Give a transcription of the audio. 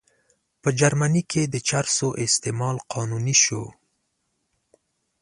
په جرمني کې د چرسو استعمال قانوني شو.